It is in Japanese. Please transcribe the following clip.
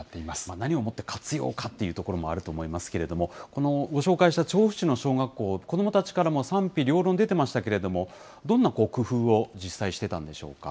何をもって活用かというところもあると思いますけれども、ご紹介した調布市の小学校、子どもたちからも賛否両論出てましたけれども、どんな工夫を実際してたんでしょうか。